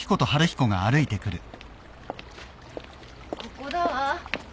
ここだわ。